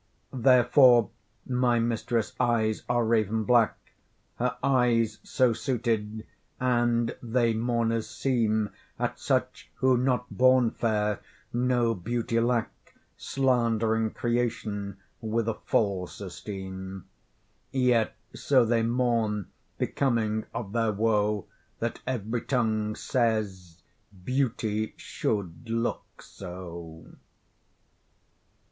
Therefore my mistress' eyes are raven black, Her eyes so suited, and they mourners seem At such who, not born fair, no beauty lack, Sland'ring creation with a false esteem: Yet so they mourn becoming of their woe, That every tongue says beauty should look so.